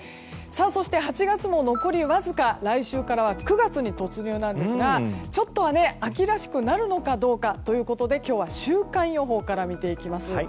そして、８月も残りわずか来週からは９月に突入なんですがちょっとは秋らしくなるのかどうかということで今日は週間予報から見ていきます。